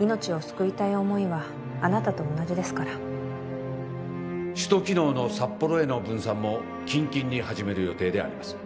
命を救いたい思いはあなたと同じですから首都機能の札幌への分散も近々に始める予定であります